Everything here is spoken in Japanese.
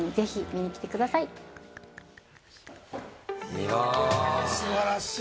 いや、素晴らしい。